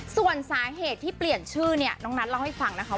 ส่วนสาเหตุที่เปลี่ยนชื่อเนี่ยน้องนัทเล่าให้ฟังนะคะ